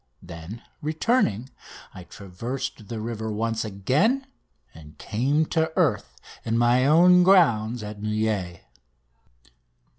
Then, returning, I traversed the river once again and came to earth in my own grounds at Neuilly.